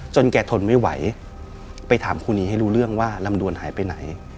แกทนไม่ไหวไปถามครูนีให้รู้เรื่องว่าลำดวนหายไปไหน